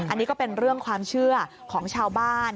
อันนี้ก็เป็นเรื่องความเชื่อของชาวบ้าน